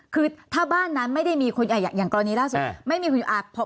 คือถ้าบ้านนั้นไม่ได้มีคนอย่างกรณีล่าสุดไม่มีคุณอา